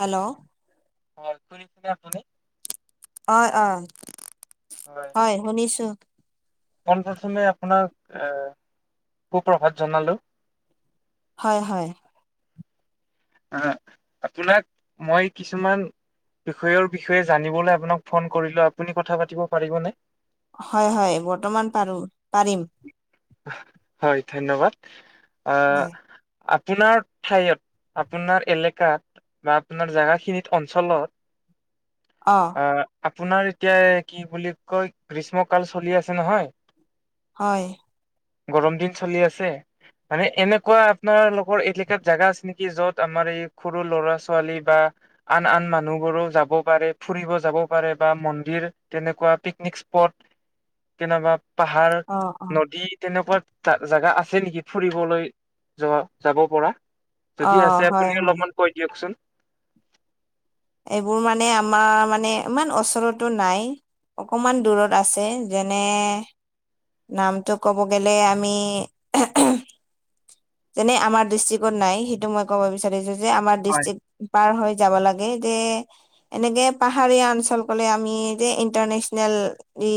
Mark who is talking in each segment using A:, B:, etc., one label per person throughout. A: Hello.
B: হয়, শুনিছেনে আপুনি?
A: অ', অ', হয়, শুনিছো।
B: পোন প্ৰথমে আপোনাক, এ সুপ্ৰভাত জনালো।
A: হয়, হয়।
B: আহ, আপোনাক মই কিছুমান বিষয়ৰ বিষয়ে জানিবলৈ আপোনাক ফোন কৰিলো, আপুনি কথা পাতিব পাৰিবনে?
A: হয়, হয়, বৰ্তমান পাৰো পাৰিম।
B: হয়, ধন্যবাদ আহ
A: হয়
B: আপোনাৰ ঠাইয়ত, আপোনাৰ এলেকাত বা আপোনাৰ জাগা খিনিত অঞ্চলত
A: অ'।
B: অ', আপোনাৰ এতিয়া কি বুলি কয়, গ্ৰীষ্ম কাল চলি আছে নহয়।
A: হয়।
B: গৰম দিন চলি আছে। মানে এনেকুৱা আপোনালোকৰ এলেকাত জেগা আছে নেকি, য'ত আমাৰ এই সৰু ল'ৰা-ছোৱালী বা আন আন মানুহবোৰো যাব পাৰে, ফুৰিব যাব পাৰে বা মন্দিৰ তেনেকুৱা পিকনিক স্পট, তেনেকা পাহাৰ
A: অ অ
B: নদী তেনেকুৱা জা জেগা আছে নেকি ফুৰিবলৈ যোৱা, যাব পৰা?
A: অ
B: যদি আছে
A: হয়
B: আপুনি
A: হয়
B: অলপমান কৈ দিয়কচোন।
A: এইবোৰ মানে আমাৰ মানে ইমান অচৰতো নাই। অকমান দূৰত আছে যেনে নামটো ক'ব গে'লে আমি যেনে আমাৰ ডিষ্ট্ৰিকত নাই। সেইটো মই ক'ব বিচাৰিছো যে আমাৰ
B: হয়
A: ডিষ্ট্ৰিক্ট পাৰ হৈ যাব লাগে যে এনেকে পাহাৰীয়া অঞ্চল ক'লে আমি যে ইণ্টাৰনেচনেল ই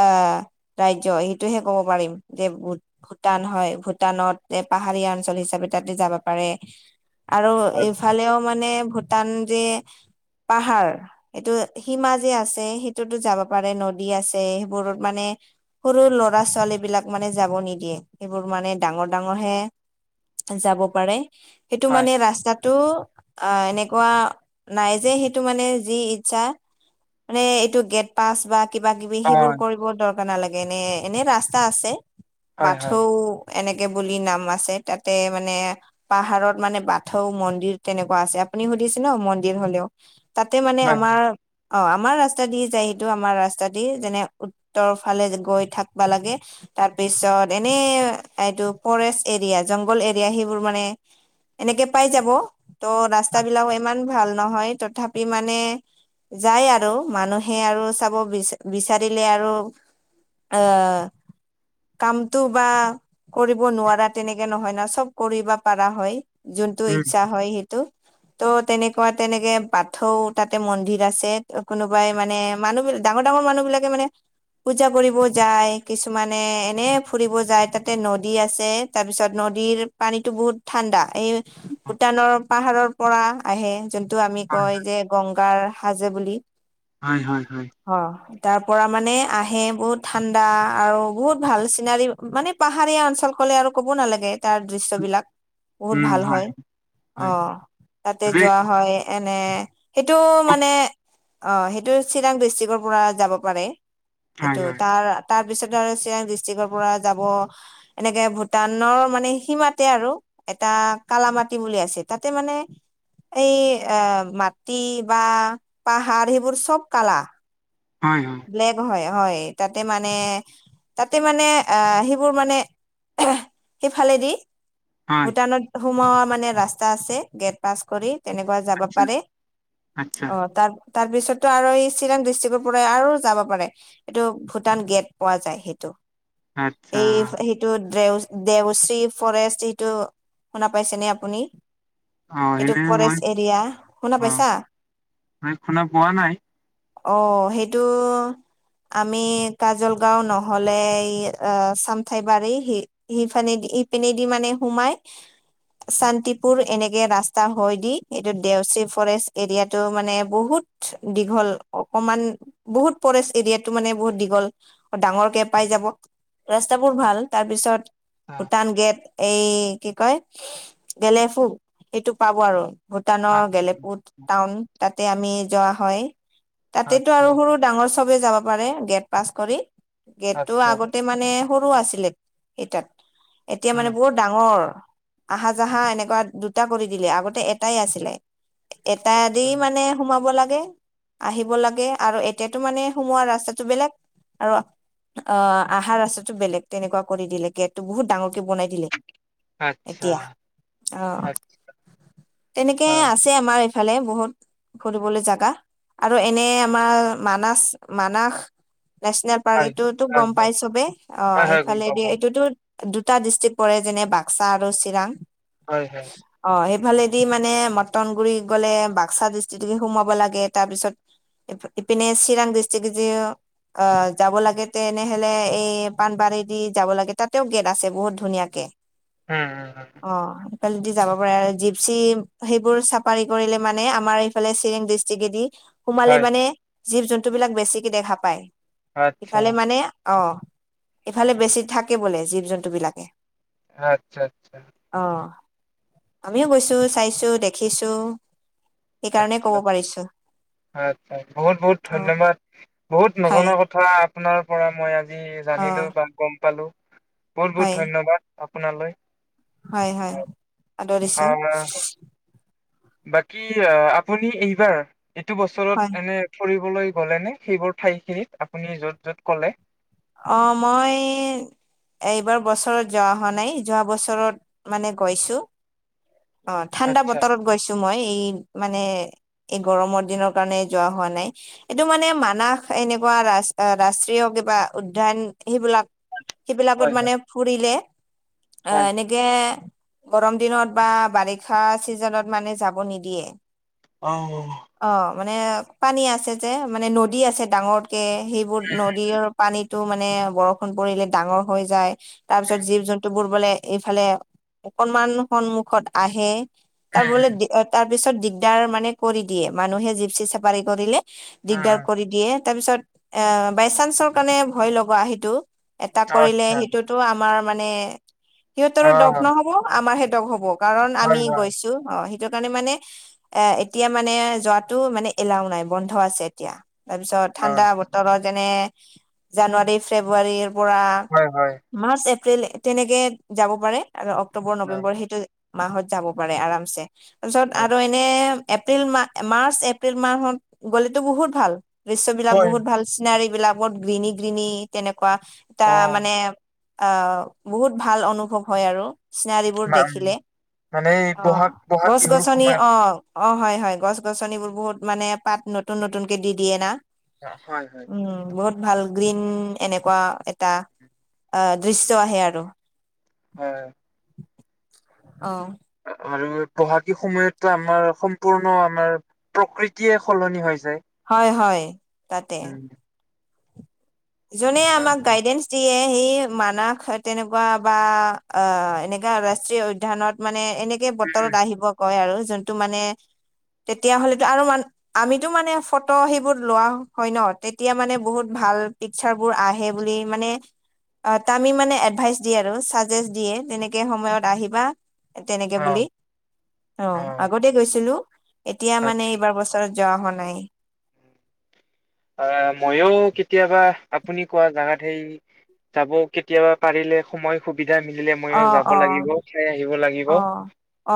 A: আহ ৰাজ্য সেইটোহে ক'ব পাৰিম যে ভূটান হয়। ভূটানত যে পাহাৰীয়া অঞ্চল হিচাপে তাতে যাব পাৰে আৰু
B: হয়
A: এই ইফালেও মানে ভূটান যে পাহাৰ এইটো সীমা যে আছে সেইটোতো যাব পাৰে। নদী আছে সেইবোৰত মানে। সৰু ল'ৰা ছোৱালীবিলাক মানে যাব নিদিয়ে। এইবোৰ মানে ডাঙৰ ডাঙৰ হে যাব পাৰে সেইটো
B: হয়
A: মানে ৰাস্তাটো আহ এনেকুৱা নাই যে সেইটো মানে যি ইচ্ছা মানে এইটো গেট পাছ বা কিবা-কিবি সেইবোৰ কৰিব দৰকাৰ নালাগে। এনে এনে ৰাস্তা আছে
B: হয় হয় হয়
A: বাথো এনেকে বুলি নাম আছে তাতে মানে পাহাৰত মানে বাথৌ মন্দিৰ তেনেকুৱা আছে। আপুনি সুধিছে ন মন্দিৰ হ'লেও। তাতে মানে
B: হয়
A: আমাৰ অ', আমাৰ ৰাস্তা দি যায়। সেইটো আমাৰ ৰাস্তা দি যেনে তলফালে গৈ থাকবা লাগে তাৰপিছত এনে ঠাইটো ফৰেষ্ট এৰিয়া, জংঘল এৰিয়া সেইবোৰ মানে এনেকে পাই যাব তো ৰাস্তাবিলাক ইমান ভাল নহয়। তথাপি মানে যায় আৰু মানুহে আৰু চাব বিচা বিচাৰিলে আৰু। অহ কামটো বা কৰিব নোৱাৰা তেনেকে নহয় ন। চব কৰিব পাৰা হয়। যোনটো
B: উম
A: ইচ্ছা হয় স তো তো তেনেকুৱা তেনেকে বাথৌ তাতে মন্দিৰ আছে। কোনোবাই মানে মানুহবিলা ডাঙৰ ডাঙৰ মানুহবিলাকে মানে পূজা কৰিব যায়, কিছুমানে এনে ফুৰিব যায়। তাত ততে নদী আছে। তাৰ পিছত নদীৰ পানীতো বহুত ঠাণ্ডা। এই ভূটানৰ পাহাৰৰ পৰা আহে। যোনটো আমি
B: হয়
A: কয় যে গংগাৰ সাজে বুলি।
B: হয় হয় হয়।
A: অ', তাৰ পৰা মানে আহে বহুত ঠাণ্ডা আৰু বহুত ভাল চিনাৰী। মানে পাহাৰীয়া অঞ্চল ক'লে আৰু ক'ব নালাগে তাৰ দৃশ্যবিলাক। বহুত ভাল হয়
B: হয়
A: অ', তাতে
B: যে
A: যোৱা হয়। এনে সেইটো মানে অ', সেইটো চিৰাং ডিষ্ট্ৰিকৰ পৰা যাব পাৰে।
B: হয়
A: সেইটো।
B: হয়
A: তাৰ তাৰ পিছত আৰু চিৰাং ডিষ্ট্ৰিকৰ পৰা যাব। এনেকে ভূটানৰ মানে সীমাতে আৰু এটা কালা মাটি বুলি আছে। তাতে মানে এই আ মাটি বা পাহাৰ সেইবোৰ চব কালা।
B: হয় হয়।
A: ব্লেক হয়। হয়, তাতে মানে তাতে মানে আহ সেইিবোৰ মানে সেইফালেদি
B: হয়
A: ভূটানত সোমোৱা মানে ৰাস্তা আছে গেট পাছ কৰি। তেনেকুৱা যাব
B: আচ্ছা,
A: পাৰে
B: আচ্ছা,
A: অ', তাৰ তাৰ পিছতো আৰু এই চিৰাং ডিষ্ট্ৰিক্টৰ প আৰু যাব পাৰে এইটো ভূটান গেট পোৱা যায় সেইটো।
B: আচ্ছা।
A: এই সেই সেইটো দেও দেওশ্ৰী ফৰেষ্ট সেইটো শুনা পাইছেনে আপুনি?
B: অ',
A: সেইটো
B: এনে মই
A: ফৰেষ্ট এৰিয়া শুনা
B: অ',
A: পাইছা?
B: মই শুনা পোৱা নাই।
A: অ', সেইটো আমি কাজলগাঁও নহ'লে ই অ', চামথাইবাৰী সিফানেদি ইপিনেদি মানে সোমাই চান্তিপুৰ এনেকে ৰাস্তা হয় দি এইটো দেওশ্ৰী ফৰেষ্ট এৰিয়াাটো মানে বহুত দীঘল অকমান। বহুত ফৰেষ্ট এৰিয়াটো মানে বহুত দীঘল, ডাঙৰকে পাই যাব। ৰাস্তাাবোৰ ভাল। তাৰ পিছত
B: আ-
A: ভূটান গেট এই কি কয় গেলেফু সেইটো পাব আৰু। ভূটানৰ
B: আচ্ছা,
A: গলেপু টাউন, তাতে আমি যোৱা হয়। তাতেটো
B: আচ্ছা,
A: আৰু সৰু ডাঙৰ চবে যাব পাৰে গেট পাছ কৰি। গেটটো
B: আচ্ছা,
A: আগতে মানে সৰু আছিলে সেই তাত। এতিয়া মানে
B: উম,
A: বহুত ডাঙৰ। আহা-যাহা এনেকুৱা দুটা কৰি দিলে। আগতে এটাই আছিলে। এটা দি
B: আচ্ছা,
A: মানে সোমাব লাগে, আহিব লাগে। আৰু এতিয়াতো মানে সোমোৱা ৰাস্তাটো বেলেগ। আৰু অ', আহা ৰাস্তটো বেলেগ। তেনেকুৱা কৰি দিলে। গেটো বহুত ডাঙৰকে বনাই দিলে।
B: আচ্ছা,
A: এতিয়া। অ',
B: আচ্ছা,
A: তেনেকে আছে আমাৰ ফালে বহুত ফুৰিবলে জেগা। আৰু এনে আমাৰ মানাছ মানাস নেচনেল পাৰ্ক,
B: হয়,
A: এইটোতো
B: হয়,
A: গম
B: হয়,
A: পাই চবেই। অ',
B: হয়, হয়, গম পাওঁ,
A: এইফালেদি
B: গম
A: এইটোতো দুটা ডিষ্ট্ৰিক্ট পৰে। যেনে বাক্সা আৰু চিৰাং।
B: হয় হয়।
A: অ', সেইফালেদি মানে মটন গুৰি গ'লে বাক্সা ডিষ্ট্ৰিক্ট দি সোমাব লাগে। তাৰপিছত এই ফে এইপিনে চিৰাং ডিষ্ট্ৰিক্ট দিও অ', যাব লাগে তেনেহ'লে এই পানবাৰী দি যাব লাগে। তাতেও গেট আছে বহুত ধুনীয়াকে।
B: উম, অ', অ'।
A: অ', সেইফালে দি যাব পাৰে। আৰু জিপচি সেইবোৰ চাফাৰি কৰিলে মানে আমাৰ ফালে চিৰিং ডিষ্ট্ৰিকে দি সোমালে
B: হয়,
A: মানে জীৱ-জন্তুবিলাক বেছিকে দেখা পায়।
B: আচ্ছা,
A: সিফালে মানে অ', এফালে বেছি থাকে বোলে জীৱ-জন্তুবিলাকে।
B: আচ্ছা আচ্ছা।
A: অ', আমিও গৈছো, চাইছো, দেখিছো। সেইকাৰণে
B: আচ্ছা,
A: ক'ব পাৰিছো।
B: আচ্ছা। বহুত বহুত
A: অ
B: ধন্যবাদ। বহুত
A: হয়
B: নজনা কথা আপোনাৰ পৰা মই আজ জি
A: অ
B: জানিলো বা গম পালো। বহুত বহুত
A: হয়
B: ধন্যবাদ আপোনালৈ।
A: হয় হয়, আদৰিছোঁ।
B: আহ বাকী আপুনি এইবাৰ এইটো
A: হয়
B: বছৰত এনে ফুৰিবলে গ'লে নে, সেইবোৰ ঠাইখিনিত আপুনি য'ত য'ত ক'লে?
A: অ', মই এইবাৰ বছৰত যোৱা হোৱা নাই। যোৱা বছৰত মানে গৈছো। অ', ঠাণ্ডা
B: আচ্ছা
A: বতৰত গৈছো মই। এই মানে এই গৰমৰ দিনৰ কাৰণে যোৱা হোৱা নাই। এইটো মানে মানাস এনেকুৱা ৰাচ ৰাষ্ট্ৰীয় কিবা উদ্যান সেইবিলাক
B: হয়
A: সেইবিলাকত
B: হয়
A: মানে ফুৰিলে
B: হয়
A: অ', এনে কে গৰম দিনত বা বাৰিষা চিজনত মানে যাব নিদিয়ে।
B: অ'।
A: অ', মানে পানী আছে যে মানে নদী আছে ডাঙৰকে সেইবোৰ নদীৰ টো মানে বৰষুণ পৰিলে ডাঙৰ হৈ যায়। তাৰ পিছত
B: উম
A: জীৱ-জন্তুবোৰ বোলে এইফালে অকনমান সন্মুখত আহে। তাৰ
B: উম
A: বোলে তাৰপিছত দিগদাৰ মানে কৰি দিয়ে। মানুহে জিপচি চাপাৰি কৰিলে
B: উম
A: দিগদাৰ
B: উম
A: কৰি দিয়ে। তাৰপিছত এ বাই চান্সৰ কাৰণে ভয় লগা সেইটো। এটা কৰিলে
B: আচ্ছা
A: সেইটোত আমাৰ মানে সিহঁতৰো
B: অ
A: দফ নহ'ব। আমাৰহে দগ হ'ব। কাৰণ আমি
B: হয় হয়
A: গৈছো। অ', সেইটো কাৰণে মানে এ এতিয়া মানে যোৱাতটো মানে এলাও নাই, বন্ধ আছে এতিয়া। তাৰপিছত
B: অ
A: ঠাণ্ডা বতৰত যেনে জানুৱাৰী, ফেব্ৰুৱাৰীৰ পৰা
B: হয়, হয়।
A: মাৰ্চ, এপ্ৰিল তেনেকে যাব পাৰে। আৰু অক্টোবৰ,
B: হয়
A: নৱেম্বৰ সেইটো মাহত যাব পাৰে আৰামছে, তাৰপিছত
B: হয়
A: আৰু এ মানে এপ্ৰিল মাহ মাৰ্চ এপ্ৰিল মাহত গ'লেতো বহুত ভাল, দৃশ্যবলাক
B: হয়
A: বহুত ভাল চিনাৰী বিলাক গ্ৰীণী-গ্ৰীণী তেনেকুৱা এটা
B: অ
A: মানে আহ, বহুত ভাল অনুভৱ হয় আৰু। চিনাৰিবোৰ দেখিলে
B: মানে এই
A: অ',
B: বহাগ বহাগ
A: গছ
B: বিহুৰ
A: গছনি
B: সময়ত
A: অ' অ', হয়, হয়, গছ-গছনিবোৰ বহুত মানে পাত নতুন নতুনকে দি দিয়ে না।
B: হয়, হয়।
A: উম, বহুত ভাল গ্ৰীণ, এনেকুৱা এটা আহ দৃশ্য আহে আৰু।
B: হয়, হয়।
A: অ'।
B: আৰু বহাগী সময়তো আমাৰ, সম্পূৰ্ণ আমাৰ প্ৰকৃতিয়ে সলনি হৈ যায়।
A: হয়, হয়, তাতে
B: উম
A: যোনে আমাক
B: আচ্ছা।
A: গাইডেন্স দিয়ে, সি মানাস তেনেকুৱা বা আহ এনেকা ৰাষ্ট্ৰীয় উদ্যানত মানে এনেকে বতলৰত
B: উম
A: আহিব কয় আৰু, যোনটো মানে তেতিয়া হলেতো আৰু মান আমিতো মানে ফটো সেইবোৰ লোৱা হয় নহ, তেতিয়া মানে বহুত ভাল পিকচাৰবোৰ আহে বুলি মানে অ', তামি মানে এডভাইচ দিয়ে আৰু চাজেষ্ট দিয়ে, তেনেকে সময়ত আহিবা। তেনেকে
B: অ
A: বুলি অ', আগতে গৈছিলো, এতিয়া মানে
B: আচ্ছা
A: এইবাৰ ত যোৱা হোৱা নাই।
B: আহ, মইও কেতিয়াবা আপুনি কোৱা জাগাত সেই যাব কেতিয়াবা পাৰিলে, সময় সুবিধা মিলিলে মযইও
A: অ
B: যাব
A: অ
B: লাগিব, চাই আহিব লাগিব
A: অ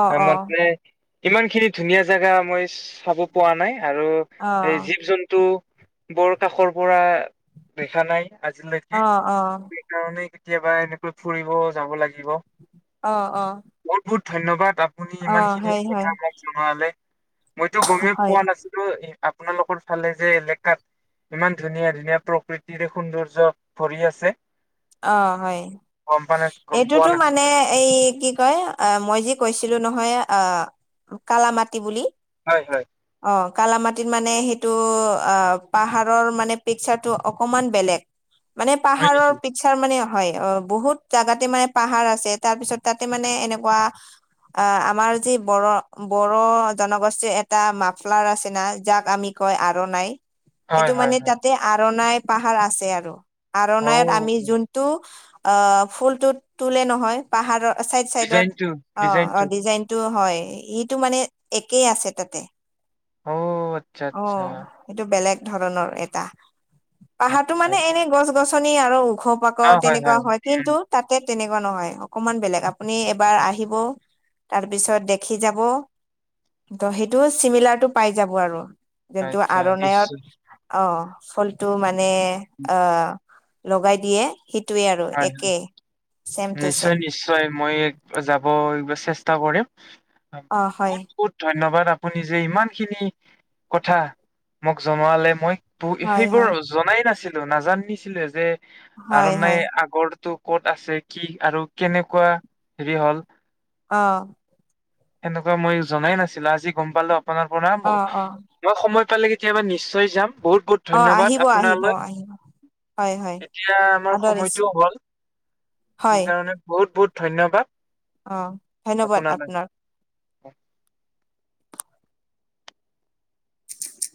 A: অ অ অ
B: ইমান খিনি ধুনীয়া জেগা মই চাব পোৱা নাই, আৰু এই জী-জন্তু বৰ কাষৰ পৰা দেখা নাই আজিলৈক
A: অ', অ'।
B: সেইকাৰণেই, কেতিয়াবা এনেকৈ ফুৰিব যাব লাগিব।
A: অ', অ'।
B: বহুত বহুত ধন্যবাদ, আপুনি
A: অ
B: ইমান খিনি
A: হয় হয়
B: কথা মোক জনোৱালে। মইতো গমেই
A: হয়
B: পোৱা নাছিলো, আপোনালোকৰ ফালে যে তাত ইমান ধুনীয়া ধুনীয়া প্ৰকৃতিৰে সৌন্দৰ্য ভৰি আছে।
A: অ', হয়,
B: গম পোৱা না গম পোৱা
A: এইটোতো মানে
B: নাছিলো
A: এই কি কয়, আহ মই যে কৈছিলো নহয় আহ কালামাটি বুলি
B: হয়, হয়।
A: অ', কালামাটিত মানে সেইটো, আহ পাহাৰৰ মানে পিকচাৰটো অকমান বেলেগ। মানে
B: হয়
A: পাহাৰৰ
B: নেকি
A: চাৰ মানে হয়, অ', বহুত জাগাতে মানে পাহাৰ আছে। তাৰ পিছত, তাতে মানে এনেকুৱা অ', আমাৰ যি বড়ো-বড়ো জনগোষ্ঠীৰ এটা মাফলাৰ আছে না, যাক আমি কয় আৰনাই, সেইটো
B: হয় হয়
A: মানে
B: হয়
A: তাতে আৰনাই পাহাৰ আছে আৰু
B: অ
A: আৰনায়ত টো অ', ফুলটোত তুলে নহয়। পাহাৰৰ চাইড চাইডত,
B: ডিজাইনটো
A: অ'
B: ডিজাইনটো
A: ডিজাইন টো হয়, ইটো মানে একেই আছে তাতে
B: অ আচ্ছা আচ্ছা
A: অ'। সেইটো বেলেগ ধৰণৰ এটা, পাহাৰটো
B: আচ্ছা
A: মানে এনে গছ গছনি আৰু ওঘ পা তেনেকুৱা হয়, কিন্তু তাতে তেনেকুৱা নহয়। অকনমান বেলেগ, আপুনি এবাৰ আহিব তাৰপিছত দেখি যাব তো সেইটো চিমিলাৰটো পাই যাব আৰু। যোনতো
B: আচ্ছা
A: আৰণায়ত
B: নিশ্চয়
A: অ', ফুলটো মানে অহ লগাই দিয়ে সেইটোৱে আৰু
B: হয় হয়।
A: একেই।
B: নিশ্চয় নিশ্চয়। মই যাব ইবিলাক চেষ্টা কৰিম।
A: অ হয়
B: বহুত বহুত ধন্যবাদ। আপুনি যে ইমানখিনি কথা মোক জনোৱালে। মই
A: হয়
B: সেইবোৰ
A: হয়
B: জনাই নাছিলো। নাজানিছিলে যে
A: হয়
B: আৰনাই
A: হয়
B: আগৰ টো ক'ত আছে কি আৰু কেনেকুৱা হেৰি হ'ল
A: অ'।
B: সেনেকুৱা মই জনাই নাছিলো। আজি গম পালো আপোনাৰ পৰা।
A: অ অ
B: দিয়ক সময় পালে কেতিয়াবা নিশ্চয় যাম। বহুত বহুত
A: অ
B: ধন্যবাদ
A: আহিব আহিব
B: আপোনালৈ।
A: আহিব হয় হয়
B: এতিয়া আমাৰ
A: আদৰিছো
B: সময়টো হ'ল।
A: হয়
B: সেইকাৰণে বহুত বহুত ধন্যবাদ।
A: অ', ধন্যবাদ আপোনাক।
B: অহ।